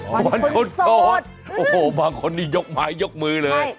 เฮ้ยวันคนโสดโอ้โฮบางคนยกไม้ยกมือเลย